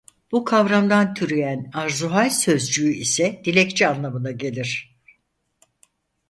Bu kavramdan türeyen arzuhâl sözcüğü ise "dilekçe" anlamına gelir.